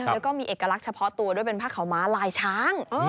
แล้วก็มีเอกลักษณ์เฉพาะตัวด้วยเป็นผ้าขาวม้าลายช้าง